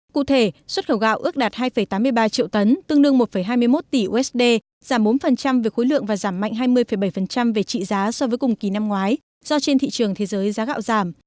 cụ thể xuất khẩu gạo ước đạt hai tám mươi ba triệu tấn tương đương một hai mươi một tỷ usd giảm bốn về khối lượng và giảm mạnh hai mươi bảy về trị giá so với cùng kỳ năm ngoái do trên thị trường thế giới giá gạo giảm